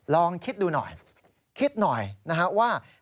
ลองคิดดูหน่อยคิดหน่อยนะฮะว่า